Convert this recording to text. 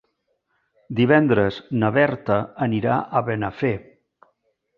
Divendres na Berta anirà a Benafer.